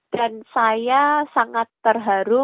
dan saya sangat terharu